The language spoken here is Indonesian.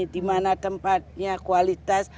dimana tempatnya kualitas